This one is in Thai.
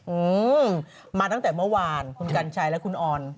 อืมมาตั้งแต่เมื่อวานคุณกัญชัยและคุณออน